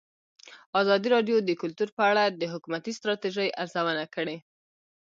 ازادي راډیو د کلتور په اړه د حکومتي ستراتیژۍ ارزونه کړې.